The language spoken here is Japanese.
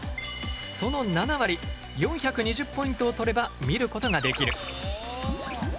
その７割４２０ポイントを取れば見ることができる。